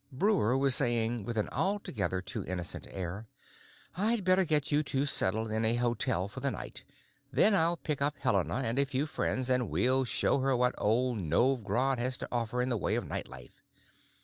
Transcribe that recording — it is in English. Breuer was saying, with an altogether too innocent air, "I'd better get you two settled in a hotel for the night; then I'll pick up Helena and a few friends and we'll show her what old Novj Grad has to offer in the way of night life.